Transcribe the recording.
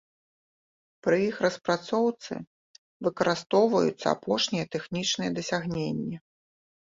Пры іх распрацоўцы выкарыстоўваюцца апошнія тэхнічныя дасягненні.